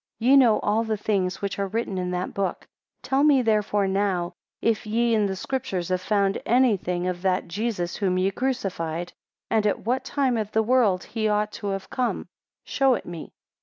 4 Ye know all the things which are written in that book; tell me therefore now, if ye in the Scriptures have found any thing of that Jesus whom ye crucified, and at what time of the world he, ought to have come: show it me.